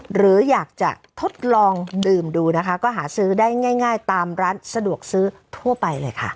หรืออยากจะทดลองดื่มดูนะคะก็หาซื้อได้ง่ายตามร้านสะดวกซื้อทั่วไปเลยค่ะ